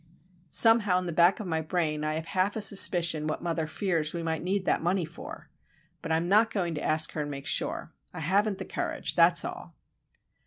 Somehow, in the back of my brain I have half a suspicion what mother fears we may need that money for. But I am not going to ask her and make sure. I haven't the courage, that's all.